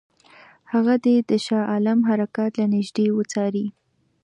هغه دې د شاه عالم حرکات له نیژدې وڅاري.